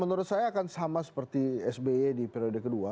menurut saya akan sama seperti sby di periode kedua